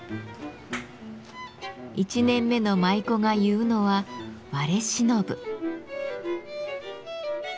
１年目の舞妓が結うのは「割れしのぶ」。